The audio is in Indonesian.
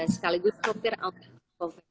sekaligus sopir ambulans covid sembilan belas